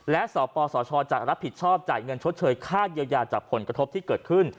และสปสชจะรับผิดชอบจ่ายเงินชดเชยค่าเยียวยาจากผลกระทบที่เกิดขึ้น